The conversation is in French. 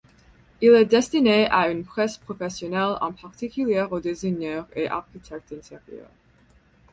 Il est destiné à une presse professionnelle, en particulier aux designers et architectes d'intérieurs.